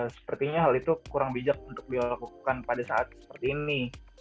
sepertinya hal itu kurang bijak untuk dilakukan pada saat seperti ini